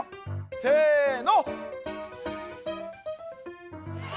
せの！